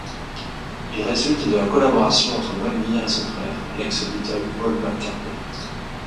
Il résulte de la collaboration entre McGear et son frère, l'ex-Beatle Paul McCartney.